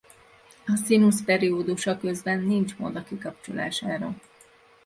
A szinusz periódusa közben nincs mód a kikapcsolására.